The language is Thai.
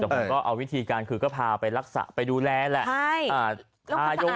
แต่ผมก็เอาวิธีการคือก็พาไปรักษาไปดูแลแหละ